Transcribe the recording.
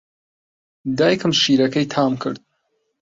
دایکم شیرەکەی تام کرد.